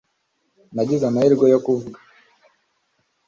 Nagize amahirwe yo kuvuga